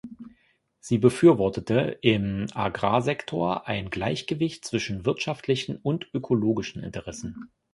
Sie befürwortete im Agrarsektor ein Gleichgewicht zwischen wirtschaftlichen und ökologischen Interessen.